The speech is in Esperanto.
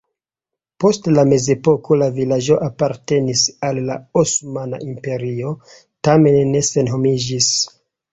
Post la mezepoko la vilaĝo apartenis al la Osmana Imperio, tamen ne senhomiĝis.